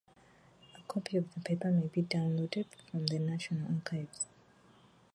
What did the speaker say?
A copy of the paper may be downloaded from the National Archives.